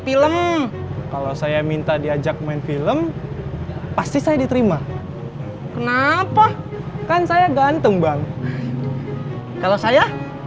film kalau saya minta diajak main film pasti saya diterima kenapa kan saya ganteng bang kalau saya